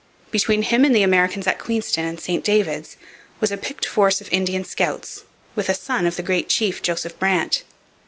Between him and the Americans at Queenston and St David's was a picked force of Indian scouts with a son of the great chief Joseph Brant.